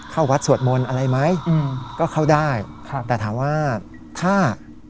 เข้าวัดสวดมนต์อะไรไหมอืมก็เข้าได้ครับแต่ถามว่าถ้า